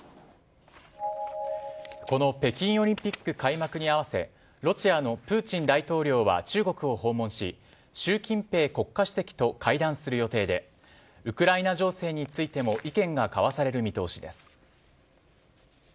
この北京オリンピック開幕に合わせロシアのプーチン大統領は中国を訪問し習近平国家主席と会談する予定でウクライナ情勢についても意見が交わされる見通しです。